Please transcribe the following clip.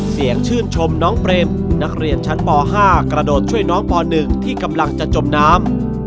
เสียงชื่นชมน้องเปรมนักเรียนชั้นป๕กระโดดช่วยน้องป๑ที่กำลังจะจมน้ำ